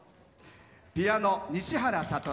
ピアノ、西原悟。